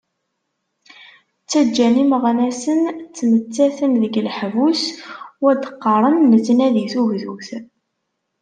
Ttaǧǧan imeɣnasen ttmettaten deg leḥbus, u ad d-qqaren nettnadi tugdut!